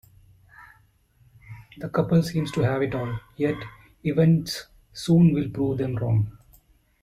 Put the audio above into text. The couple seems to have it all, yet events soon will prove them wrong.